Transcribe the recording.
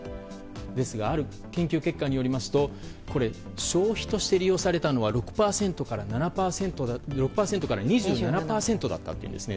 ですがある研究結果によりますと消費として利用されたのは６％から２７％だったというんですね。